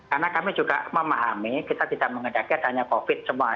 karena kami juga memahami kita tidak mengedaki adanya covid semua